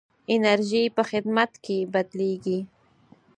انرژي په خدمت کې بدلېږي.